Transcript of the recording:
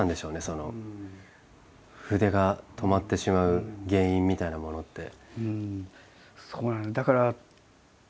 その筆が止まってしまう原因みたいなものって。